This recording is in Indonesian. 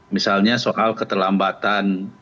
misalnya soal keterlambatan